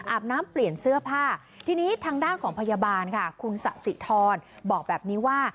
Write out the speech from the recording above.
อาบน้ำเปลี่ยนเสื้อผ้าทีนี้ทางด้านของพยาบาลค่ะคุณสะสิทรบอกแบบนี้ว่า